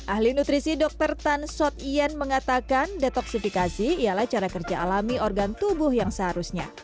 ahli nutrisi dr tan sot yen mengatakan detoksifikasi ialah cara kerja alami organ tubuh yang seharusnya